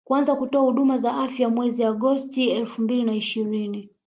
kuanza kutoa huduma za afya mwezi agosti elfu mbili na ishirini